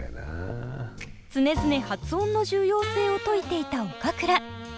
常々発音の重要性を説いていた岡倉。